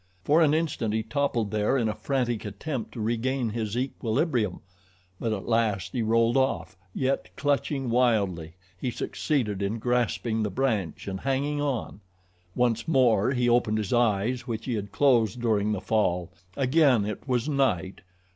For an instant he toppled there in a frantic attempt to regain his equilibrium; but at last he rolled off, yet, clutching wildly, he succeeded in grasping the branch and hanging on. Once more he opened his eyes, which he had closed during the fall. Again it was night.